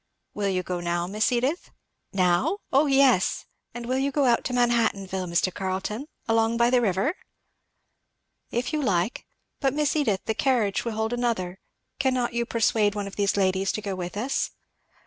"Will you go now, Miss Edith?" "Now? O yes! And will you go out to Manhattanville, Mr. Carleton! along by the river?" "If you like. But Miss Edith, the carriage will hold another cannot you persuade one of these ladies to go with us?"